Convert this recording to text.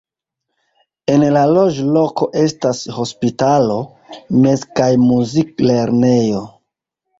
En la loĝloko estas hospitalo, mez- kaj muzik-lernejo.